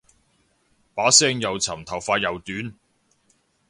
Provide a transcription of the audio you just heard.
把聲又沉頭髮又短